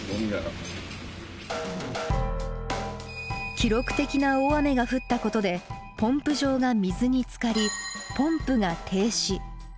記録的な大雨が降ったことでポンプ場が水につかりポンプが停止。